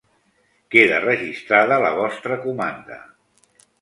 Queda registrada la vostra comanda.